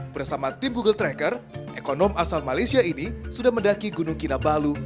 bersama tim google tracker ekonom asal malaysia ini sudah mendaki gunung kinabalu